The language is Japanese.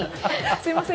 すみません。